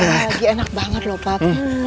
lagi enak banget lho pak